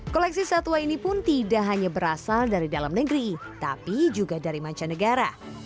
koleksi satwa ini pun tidak hanya berasal dari dalam negeri tapi juga dari mancanegara